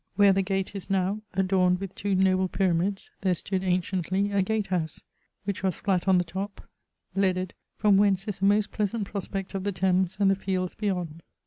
Where the gate is now, adorned with two noble pyramids, there stood anciently a gate house, which was flatt on the top, leaded, from whence is a most pleasant prospect of the Thames and the fields beyond.